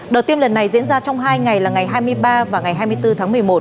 đợt tiêm lần này diễn ra trong hai ngày là ngày hai mươi ba và ngày hai mươi bốn tháng một mươi một